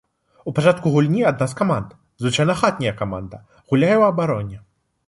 У пачатку гульні адна з каманд, звычайна хатняя каманда, гуляе ў абароне.